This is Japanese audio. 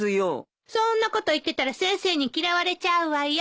そんなこと言ってたら先生に嫌われちゃうわよ。